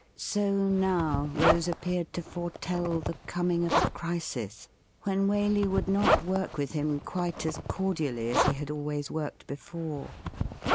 So now Rose appeared to foretell the coming of a crisis, when Waley would not work with him quite as cordially as he had always worked before.